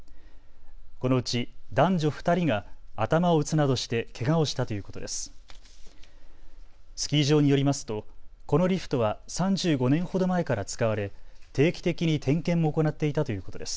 このうち男女２人が頭を打つなどしてけがをしたということです。